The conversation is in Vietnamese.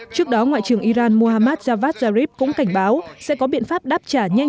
trước đó ngoại trưởng iran mohammad javad zarif cũng cảnh báo sẽ có biện pháp đáp trả nhanh